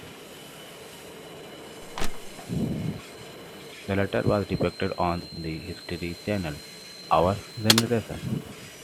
The latter was depicted on The History Channel's "Our Generation".